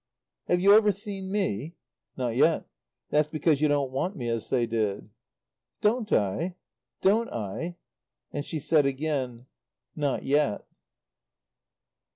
"Have you ever seen me?" "Not yet. That's because you don't want me as they did." "Don't I! Don't I!" And she said again: "Not yet."